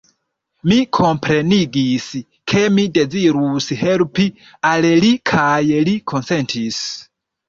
Mi komprenigis, ke mi dezirus helpi al li kaj li konsentis.